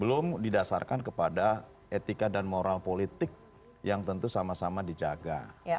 belum didasarkan kepada etika dan moral politik yang tentu sama sama dijaga